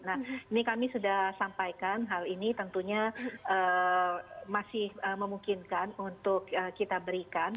nah ini kami sudah sampaikan hal ini tentunya masih memungkinkan untuk kita berikan